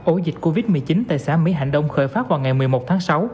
ổ dịch covid một mươi chín tại xã mỹ hạnh đông khởi phát vào ngày một mươi một tháng sáu